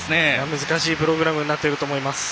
難しいプログラムになっていると思います。